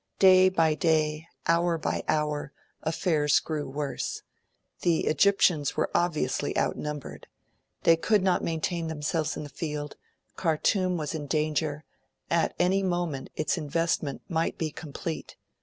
Day by day, hour by hour, affairs grew worse. The Egyptians were obviously outnumbered: they could not maintain themselves in the field; Khartoum was in danger; at any moment, its investment might be complete.